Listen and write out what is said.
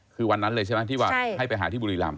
คือวันนั้นเลยใช่ไหมที่ว่าให้ไปหาที่บุรีรำ